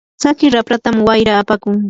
tsaki rapratam wayra apakun.